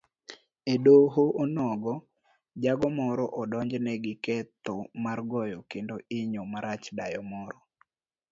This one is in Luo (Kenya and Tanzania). Edoho onogo, jago moro odonjne giketho mar goyo kendo inyo marach dayo moro